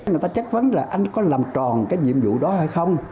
người ta chất vấn là anh có làm tròn cái nhiệm vụ đó hay không